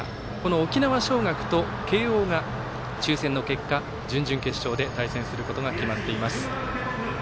沖縄尚学と慶応が抽せんの結果準々決勝で対戦することが決まっています。